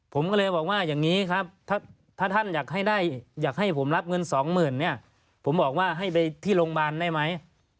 ผมก็เลยบอกว่าอย่างนี้ครับถ้าท่านอยากให้ได้อยากให้ผมรับเงินสองหมื่นเนี่ยผมบอกว่าให้ไปที่โรงพยาบาลได้ไหม